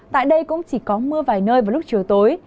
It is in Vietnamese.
tại đây cũng chỉ có mưa vài nơi vào lúc chiều tối